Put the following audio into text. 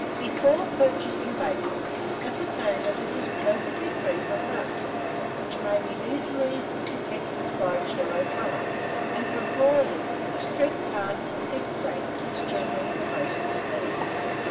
Before purchasing bacon, ascertain that it is perfectly free from rust, which may easily be detected by its yellow colour; and for broiling, the streaked part of the thick flank, is generally the most esteemed.